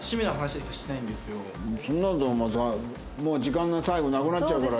そんなの時間が最後なくなっちゃうから。